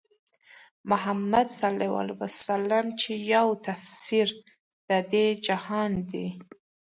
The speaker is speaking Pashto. محمدص چې يو تفسير د دې جهان دی